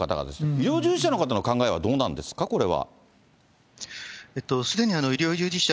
医療従事者の方の考えはどうなんですか、これは。